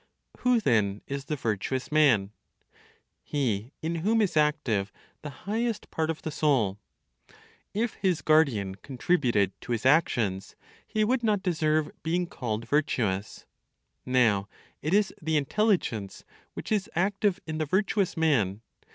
Who then is the virtuous man? He in whom is active the highest part of the soul. If his guardian contributed to his actions, he would not deserve being called virtuous. Now it is the Intelligence which is active in the virtuous man.